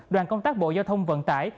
đoàn công tác bộ giao thông vận tải